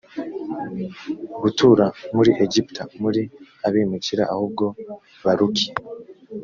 gutura muri egiputa muri abimukira ahubwo baruki